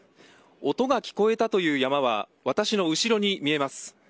音が聞こえたという山は私の後ろに見えます。